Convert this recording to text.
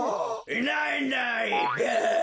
いないいないばあ！